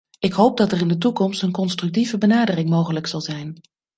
Ik hoop dat er in de toekomst een constructieve benadering mogelijk zal zijn.